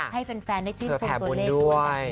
ให้แฟนได้ชีวิตทุกข์ตัวเลขเปิดแข่บุญด้วย